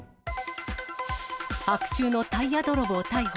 白昼のタイヤ泥棒逮捕。